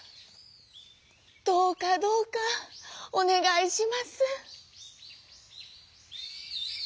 「どうかどうかおねがいします」。